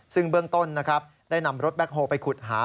ซึ่งเบื้องต้นได้นำรถแบคโฮไปขุดหา